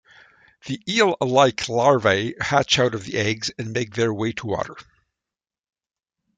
The eel-like larvae hatch out of the eggs and make their way to water.